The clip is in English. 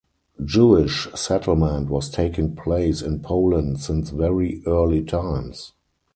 Jewish settlement was taking place in Poland since very early times.